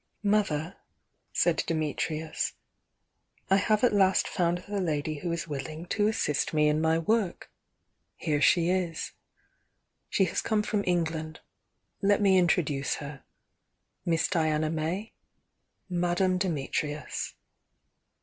"Mother," said Dimitrius, "T have at last found the lady who is willing to assist me in my work — THE YOUNG DIAXA 118 here she is. She has come from England — let me introduce her. Miss Diana iMay,— Madame Dimit rius."